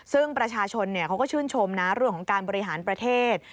ซึ่งประชาชนเขาก็ชื่นชมนะเรื่องของการบริหารประเทศ